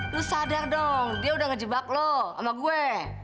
lo sadar dong dia udah ngejebak lo sama gue